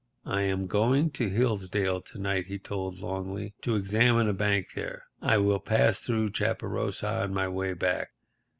"I am going to Hilldale's to night," he told Longley, "to examine a bank there. I will pass through Chaparosa on my way back.